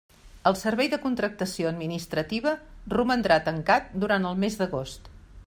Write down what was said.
El Servei de Contractació Administrativa romandrà tancant durant el mes d'agost.